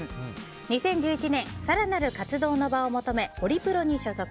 ２０１１年更なる活動の場を求めホリプロに所属。